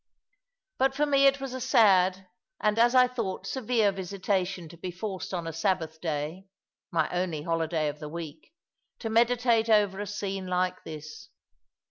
But for me it was a sad, and, as I thought, severe, visitation to be forced on a Sabbath day my only holiday of the week to meditate over a scene like this.